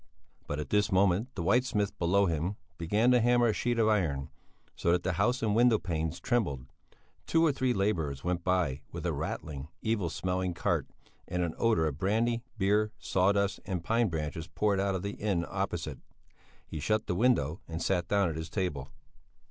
But at this moment the whitesmith below him began to hammer a sheet of iron, so that house and window panes trembled; two or three labourers went by with a rattling, evil smelling cart, and an odour of brandy, beer, sawdust, and pine branches poured out of the inn opposite. He shut the window and sat down at his table.